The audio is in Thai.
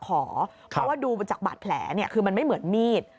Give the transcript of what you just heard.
เพราะว่าดูจากบาดแผลคือมันไม่เหมือนมีด